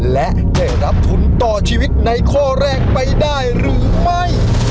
และได้รับทุนต่อชีวิตในข้อแรกไปได้หรือไม่